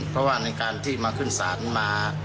เพราะว่าในการที่มาขึ้นศาลมา